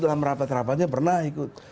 dalam rapat rapatnya pernah ikut